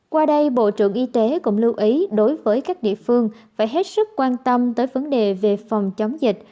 qua đây bộ trưởng y tế cũng lưu ý đối với các địa phương phải hết sức quan tâm tới vấn đề về phòng chống dịch